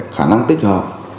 khả năng tích hợp